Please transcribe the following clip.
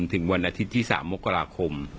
ถึงวันอาทิตย์ที่๓มกราคม